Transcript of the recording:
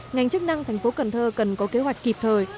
ngành chức năng thành phố cần thơ cần có kế hoạch kịp thời